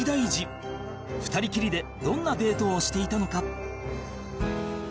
２人きりでどんなデートをしていたのか？